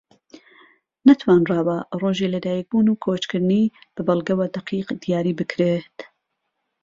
نەتوانراوە ڕۆژی لە دایک بوون و کۆچکردنی بە بەڵگەوە دەقیق دیاری بکرێت